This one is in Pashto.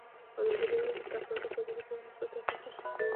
ازادي راډیو د د تګ راتګ ازادي په اړه مثبت اغېزې تشریح کړي.